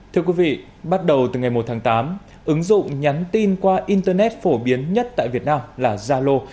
thưa quý vị bắt đầu từ ngày một tháng tám ứng dụng nhắn tin qua internet phổ biến nhất tại việt nam là zalo